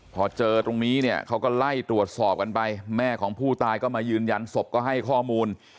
พอเจอตรงนี้เนี่ยเขาก็ไล่ตรวจสอบกันไปแม่ของผู้ตายก็มายืนยันศพก็ให้ข้อมูล